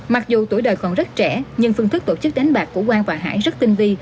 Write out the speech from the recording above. mặc dù tuổi đời còn rất trẻ nhưng phương thức tổ chức đánh bạc của quang và hải rất tinh vi